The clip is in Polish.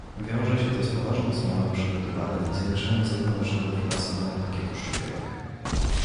Wiąże się to z poważną zmianą przedmiotu badań i zwiększeniem zrównoważonego finansowania pakietu szczepionek